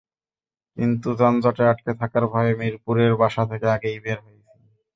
কিন্তু যানজটে আটকে থাকার ভয়ে মিরপুরের বাসা থেকে আগেই বের হয়েছি।